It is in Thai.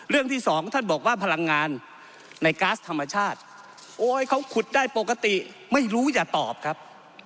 ที่สองท่านบอกว่าพลังงานในก๊าซธรรมชาติโอ๊ยเขาขุดได้ปกติไม่รู้อย่าตอบครับ